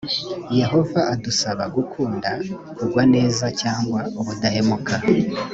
yehova adusaba gukunda kugwa neza cyangwa ubudahemuka